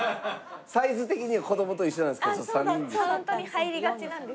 サイズ的には子供と一緒なんですけど３人です。